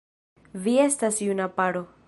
Vi estas juna paro.